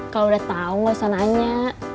kalo udah tau gak usah nanya